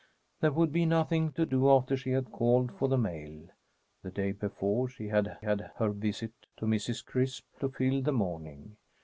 There would be nothing to do after she had called for the mail. The day before she had had her visit to Mrs. Crisp to fill the morning.